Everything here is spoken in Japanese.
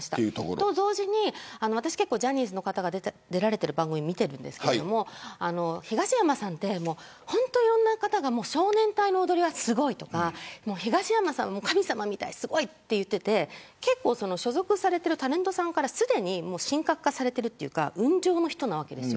それと同時に私、結構ジャニーズの方が出られてる番組を見ているんですけど東山さんって本当にいろんな方が少年隊の踊りはすごいとか東山さんは神様みたいすごいって言っていて結構、所属されているタレントさんからすでに神格化されているというか雲上の人なわけです。